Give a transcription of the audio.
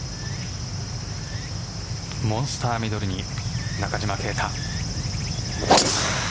モンスターミドルに中島啓太。